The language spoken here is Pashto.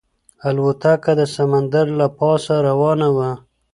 الوتکه د سمندر له پاسه روانه وه.